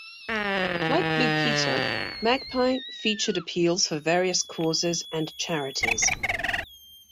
Like "Blue Peter", "Magpie" featured appeals for various causes and charities.